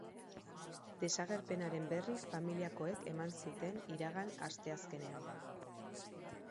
Desagerpenaren berri familiakoek eman zuten iragan asteazkenean.